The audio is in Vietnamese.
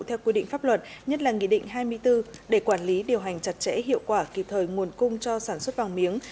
theo quy định pháp luật nhất là nghị định hai mươi bốn để quản lý điều hành chặt chẽ hiệu quả kịp thời nguồn cung cho sản xuất vàng miếng